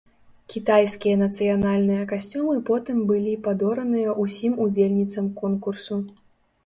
Кітайскія нацыянальныя касцюмы потым былі падораныя ўсім удзельніцам конкурсу.